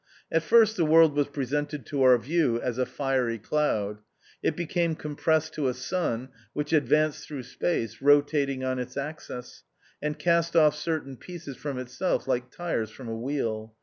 At first the world was presented to our view as a fiery cloud. It became com pressed to a Sun, which advanced through Space, rotating on its axis, and cast off certain pieces from itself like tires from a wheel.